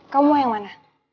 kamu mau yang mana